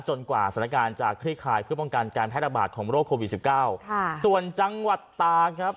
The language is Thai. กว่าสถานการณ์จะคลี่คลายเพื่อป้องกันการแพร่ระบาดของโรคโควิดสิบเก้าค่ะส่วนจังหวัดตาครับ